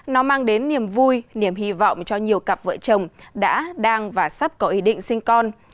nó mang đến niềm vui niềm hy vọng cho nhiều cặp vợ chồng đã đang và sắp có ý định sinh con